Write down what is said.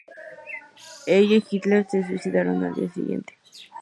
Ella y Hitler se suicidaron el día siguiente.